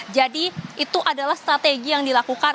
jadi itu adalah strategi yang dilakukan